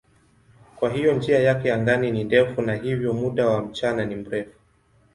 Kwa hiyo njia yake angani ni ndefu na hivyo muda wa mchana ni mrefu.